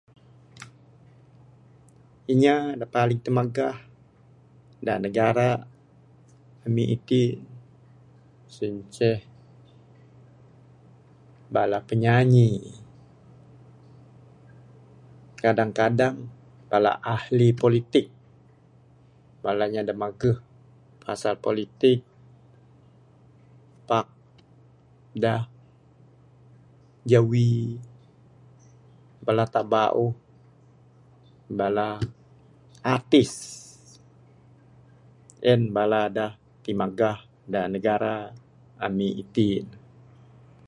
Inya da paling timagah da negara ami itin sien inceh bala penyanyi. Kadang-kadang bala ahli politik, bala inya da maguh pasal politik pak da jawi bala taap bauh, bala artis. En bala da timagah da negara ami itin.